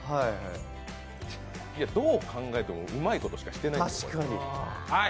どう考えてもうまいことしかしてない。